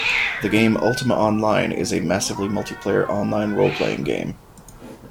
The game, "Ultima Online", is a massively multiplayer online role-playing game.